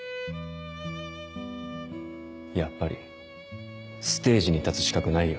やっぱりステージに立つ資格ないよ